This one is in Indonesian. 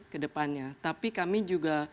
kedepannya tapi kami juga